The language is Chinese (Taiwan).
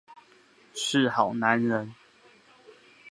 是好男人